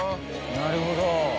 なるほど。